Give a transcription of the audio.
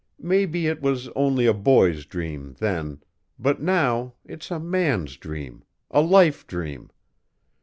"Maybe it was only a boy's dream then but now it's a man's dream a life dream.